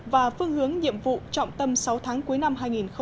và phương hướng nhiệm vụ trọng tâm sáu tháng cuối năm hai nghìn một mươi bảy